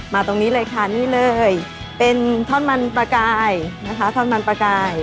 ตรงนี้เลยค่ะนี่เลยเป็นท่อนมันปลากายนะคะท่อนมันปลากาย